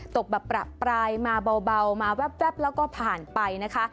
ตกแบบประปรายมาเบามาแว๊บแล้วก็ผ่านไปนะคะ